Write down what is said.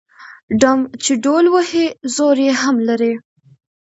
ـ ډم چې ډول وهي زور يې هم لري.